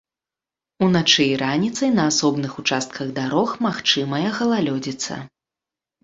Уначы і раніцай на асобных участках дарог магчымая галалёдзіца.